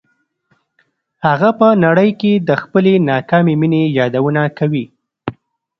هغه په نړۍ کې د خپلې ناکامې مینې یادونه کوي